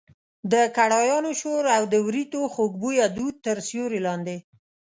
د کړایانو شور او د وریتو خوږ بویه دود تر سیوري لاندې.